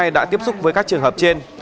đã tiếp xúc với các trường hợp trên